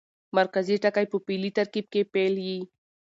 مرکزي ټکی په فعلي ترکیب کښي فعل يي.